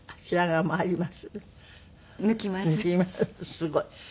すごい。